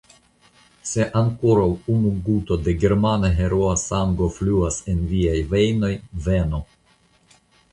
Se ankoraŭ unu guto da germana heroa sango fluas en viaj vejnoj, venu!